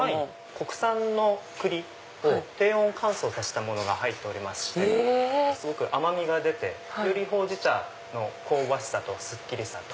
国産の栗を低温乾燥させたものが入っておりまして甘みが出てよりほうじ茶の香ばしさとすっきりさと。